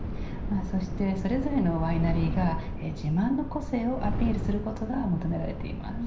そして、それぞれのワイナリーが自慢の個性をアピールすることが求められています。